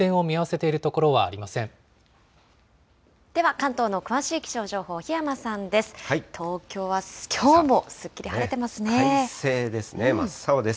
では関東の詳しい気象情報、檜山さんです。